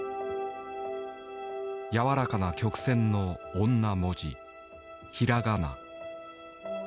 やわらかな曲線の「女文字」ひらがな。